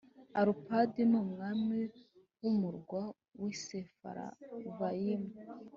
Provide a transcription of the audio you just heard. Arupadi n ‘umwami w ‘umurwa w ‘i Sefaravayimu .